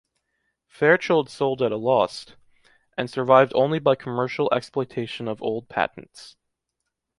Fairchild sold at a lost, and survived only by commercial exploitation of old patents.